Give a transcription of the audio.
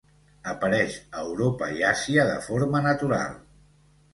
Apareix a Europa i Àsia de forma natural.